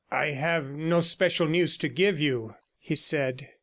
'I have no special news to give you,' he said.